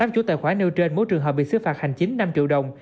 tám chủ tài khoản nêu trên mỗi trường hợp bị xứ phạt hành chính năm triệu đồng